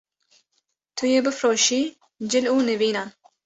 Tu yê bifroşî cil û nîvînan